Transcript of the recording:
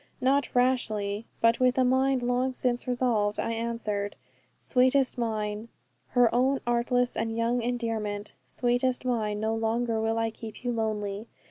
Not rashly, but with a mind long since resolved, I answered: 'Sweetest mine' her own artless and young endearment 'Sweetest mine, no longer will I keep you lonely.